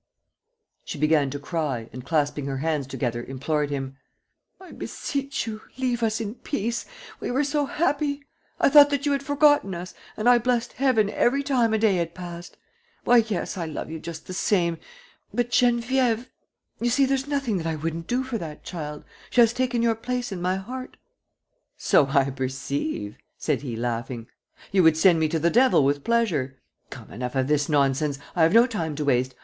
She began to cry and, clasping her hands together, implored him: "I beseech you, leave us in peace. We were so happy! I thought that you had forgotten us and I blessed Heaven every time a day had passed. Why, yes ... I love you just the same. But, Geneviève ... you see, there's nothing that I wouldn't do for that child. She has taken your place in my heart." "So I perceive," said he, laughing. "You would send me to the devil with pleasure. Come, enough of this nonsense! I have no time to waste.